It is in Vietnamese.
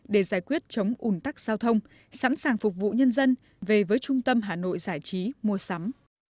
để giải quyết chống ủn tắc giao thông sẵn sàng phục vụ nhân dân về với trung tâm hà nội giải trí mua sắm